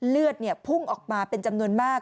เลือดพุ่งออกมาเป็นจำนวนมาก